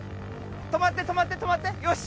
止まって止まって止まってよし。